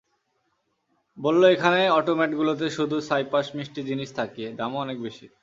বলল এখানে অটোম্যাটগুলোতে শুধু ছাইপাঁশ মিষ্টি জিনিস থাকে, দামও অনেক বেশি।